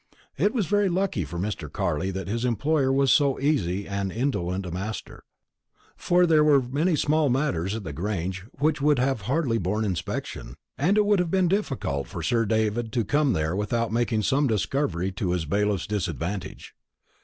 It was very lucky for Mr. Carley that his employer was so easy and indolent a master; for there were many small matters at the Grange which would have hardly borne inspection, and it would have been difficult for Sir David to come there without making some discovery to his bailiff's disadvantage.